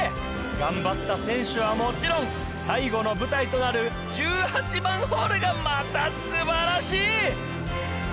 頑張った選手はもちろん最後の舞台となる１８番ホールがまたすばらしい！